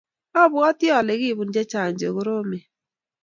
apwati ale kipun chechang chekoromen